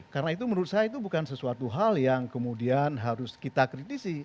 karena itu menurut saya bukan sesuatu hal yang kemudian harus kita kritisi